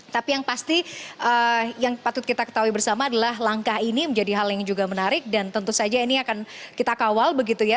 tapi yang pasti yang patut kita ketahui bersama adalah langkah ini menjadi hal yang juga menarik dan tentu saja ini akan kita kawal begitu ya